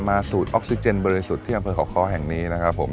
สูตรออกซิเจนบริสุทธิ์ที่อำเภอเขาค้อแห่งนี้นะครับผม